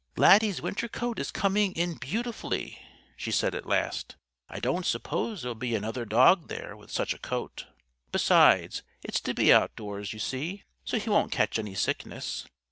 "Laddie's winter coat is coming in beautifully," she said at last. "I don't suppose there'll be another dog there with such a coat. Besides, it's to be outdoors, you see. So he won't catch any sickness.